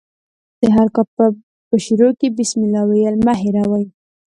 د هر کار په شروع کښي بسم الله ویل مه هېروئ!